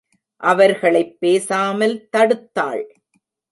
அவர்களைப் பேசாமல் தடுத்தாள்.